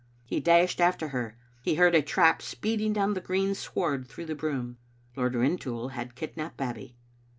He dashed after her; he heard a trap speeding down the green sward through the broom. Lord Rintoul had kidnapped Babbie.